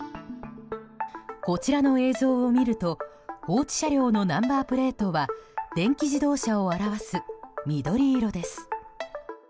こちらの映像を見ると放置車両のナンバープレートは電気自動車を表す緑色です。